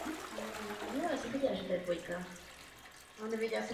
Již v dětství si přála být tanečnicí.